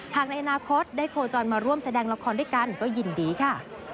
ในอนาคตได้โคจรมาร่วมแสดงละครด้วยกันก็ยินดีค่ะ